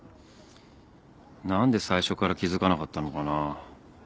何で最初から気付かなかったのかな